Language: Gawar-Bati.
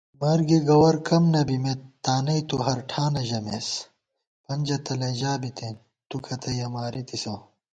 مرگےگوَر کم نَبِمېت تانَئی تُو ہرٹھانہ ژَمېس * پنجہ تلَئ ژا بِتېن تُو کتّیَہ مارِتِسہ